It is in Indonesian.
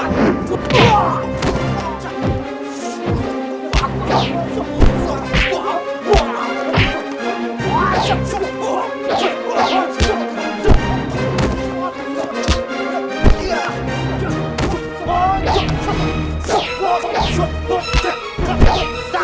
biar aku yang menghabisinya